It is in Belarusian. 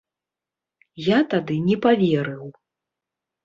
Я тады не паверыў.